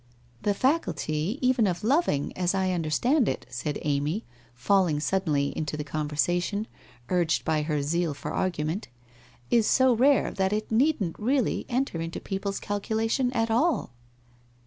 ' The faculty, even of loving, as I understand it,' said Amy, falling suddenly into the conversation, urged by her zeal for argument, ' is so rare that it needn't really enter into people's calculation at all!'